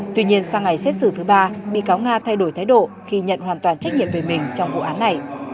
tuy nhiên sang ngày xét xử thứ ba bị cáo nga thay đổi thái độ khi nhận hoàn toàn trách nhiệm về mình trong vụ án này